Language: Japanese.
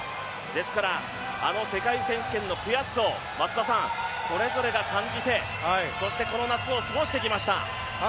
あの世界選手権の悔しさをそれぞれが感じて、そしてこの夏を過ごしてきました。